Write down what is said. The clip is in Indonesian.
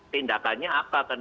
tindakannya apa ke enam puluh empat